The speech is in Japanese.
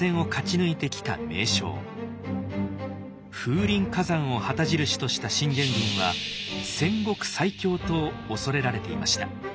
風林火山を旗印とした信玄軍は戦国最強と恐れられていました。